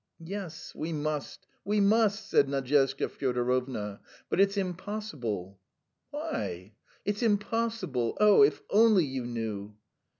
"Yes, we must, we must," said Nadyezhda Fyodorovna; "but it's impossible!" "Why?" "It's impossible. Oh, if only you knew!"